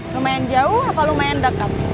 lumayan jauh apa lumayan dekat